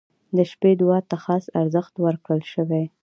• د شپې دعا ته خاص ارزښت ورکړل شوی.